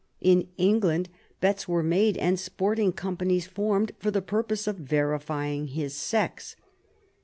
In England bets were made and sporting companies formed for the purpose of verifying his sex.